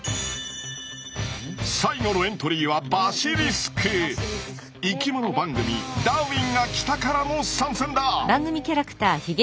最後のエントリーは生きもの番組「ダーウィンが来た！」からの参戦だ！